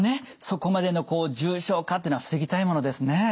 そこまでの重症化というのは防ぎたいものですね。